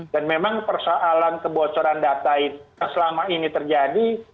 dan memang persoalan kebocoran data itu selama ini terjadi